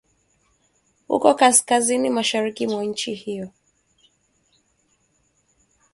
huko kaskazini mashariki mwa nchi hiyo